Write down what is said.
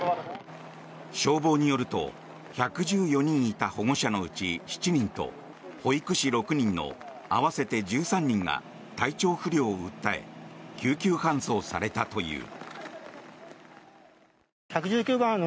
消防によると１１４人いた保護者のうち７人と保育士６人の合わせて１３人が体調不良を訴え救急搬送されたという。